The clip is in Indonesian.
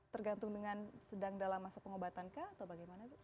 tergantung dengan sedang dalam masa pengobatan kah atau bagaimana dok